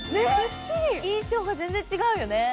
印象が全然違うよね。